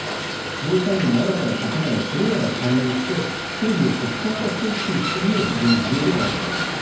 防衛産業に新たな国内のプレーヤーが参入して、装備を国産化していくという視点も非常に重要ではないかと思います。